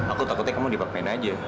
aku takutnya kamu dipakmen aja